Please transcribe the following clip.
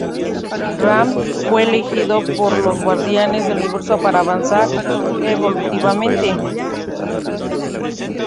Ram fue elegido por los Guardianes del Universo para avanzar evolutivamente.